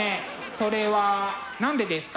それは何でですか？